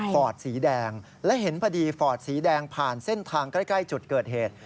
ฟอร์ดสีแดงและเห็นพอดีฟอร์ดสีแดงผ่านเส้นทางใกล้จุดเกิดเหตุ